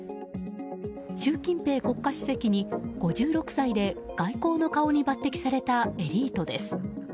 習近平国家主席に５６歳で、外交の顔に抜擢されたエリートです。